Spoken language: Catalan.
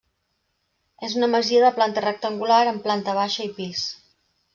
És una masia de planta rectangular amb planta baixa i pis.